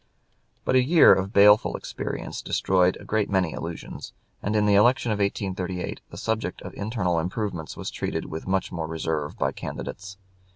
] But a year of baleful experience destroyed a great many illusions, and in the election of 1838 the subject of internal improvements was treated with much more reserve by candidates.